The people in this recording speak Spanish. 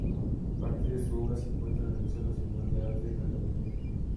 Parte de su obra se encuentra en el Museo Nacional de Arte de Cataluña.